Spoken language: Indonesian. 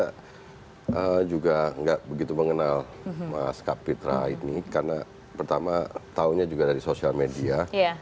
saya juga nggak begitu mengenal mas kapitra ini karena pertama tahunya juga dari sosial media